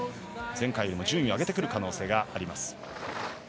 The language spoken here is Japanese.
前回よりも順位を上げてくる可能性があります。